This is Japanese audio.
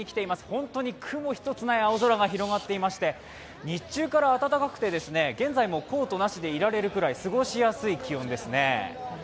本当に雲一つない青空が広がっていまして日中から暖かくて現在もコートなしでいられるぐらい過ごしやすい気温ですね。